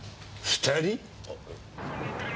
２人？